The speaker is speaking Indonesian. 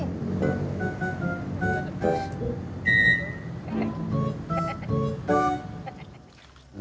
nanti gigi kamu kering